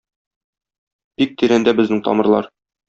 Бик тирәндә безнең тамырлар.